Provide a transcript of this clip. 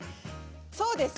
そうです。